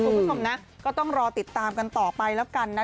คุณผู้ชมนะก็ต้องรอติดตามกันต่อไปแล้วกันนะ